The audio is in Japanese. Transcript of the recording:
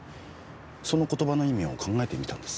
その言葉の意味を考えてみたんです。